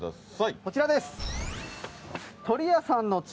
こちらです。